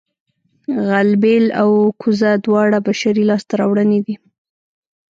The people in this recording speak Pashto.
غلبېل او کوزه دواړه بشري لاسته راوړنې دي